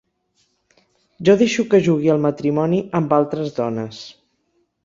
Jo deixo que jugui al matrimoni amb altres dones.